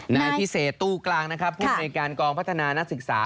นายพิเศษตู้กลางนะครับภูมิในการกองพัฒนานักศึกษา